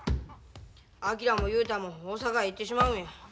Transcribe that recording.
昭も雄太も大阪へ行ってしまうんや。